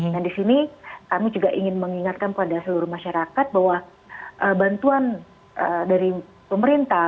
dan di sini kami juga ingin mengingatkan pada seluruh masyarakat bahwa bantuan dari pemerintah